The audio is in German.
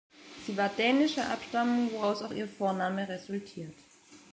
Sie war dänischer Abstammung, woraus auch ihr Vorname resultiert.